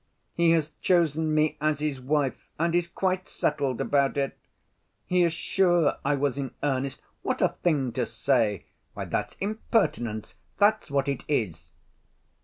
He has chosen me as his wife and is quite settled about it. He is sure I was in earnest. What a thing to say! Why, that's impertinence—that's what it is."